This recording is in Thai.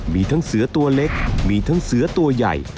มีทั้งเสือตัวเล็กมีทั้งเสือตัวใหญ่